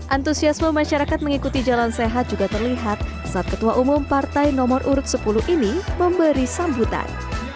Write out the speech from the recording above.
antusiasme masyarakat mengikuti jalan sehat juga terlihat saat ketua umum partai nomor urut sepuluh ini memberi sambutan